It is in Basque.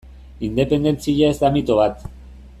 Independentzia ez da mito bat.